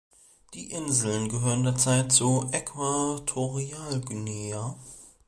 Die Inseln gehören derzeit zu Äquatorialguinea.